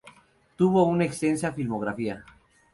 Tuvo una extensa filmografía.